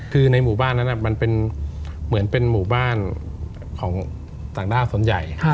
คือในหมู่บ้านนั้นมันเป็นเหมือนเป็นหมู่บ้านของต่างด้าวส่วนใหญ่